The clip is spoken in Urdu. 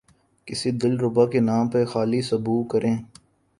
کس دل ربا کے نام پہ خالی سبو کریں